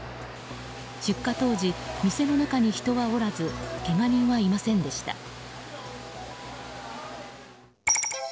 出火当時、店の中に人はおらずけが人はいませんでした。